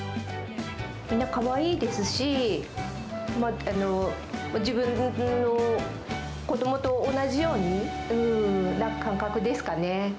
みんなかわいいですし、自分の子どもと同じような感覚ですかね。